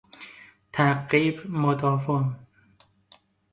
تعقیب مداوم